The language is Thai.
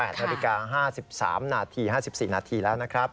นาฬิกา๕๓นาที๕๔นาทีแล้วนะครับ